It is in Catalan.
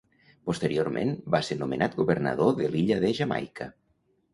Posteriorment va ser nomenat governador de l'illa de Jamaica.